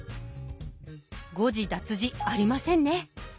誤字脱字ありませんね。